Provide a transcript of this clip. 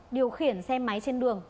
điều khiển xe máy trên đường